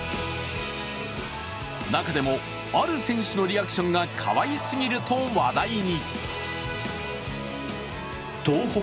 中でも、ある選手のリアクションがかわいすぎると話題に。